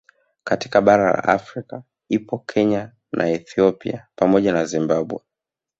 Katika bara la Afrika ipo Kenya na Ethipia pamoja na Zimbabwe